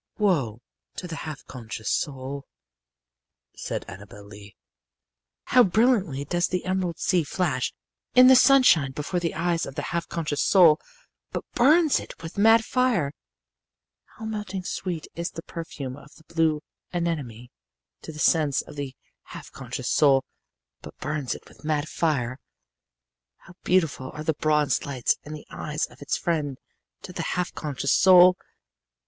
"Woe to the half conscious soul," said Annabel Lee. "How brilliantly does the emerald sea flash in the sunshine before the eyes of the half conscious soul! but burns it with mad fire. "How melting sweet is the perfume of the blue anemone to the sense of the half conscious soul! but burns it with mad fire. "How beautiful are the bronze lights in the eyes of its friend to the half conscious soul!